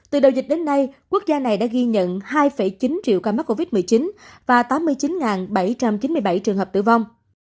từ đầu dịch đến nay quốc gia này đã ghi nhận hai chín triệu ca mắc covid một mươi chín và tám mươi chín bảy trăm chín mươi bảy trường hợp tử vong